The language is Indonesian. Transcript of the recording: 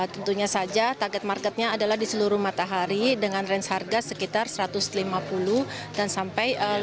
tentunya saja target marketnya adalah di seluruh matahari dengan range harga sekitar rp satu ratus lima puluh rp lima ratus sembilan puluh sembilan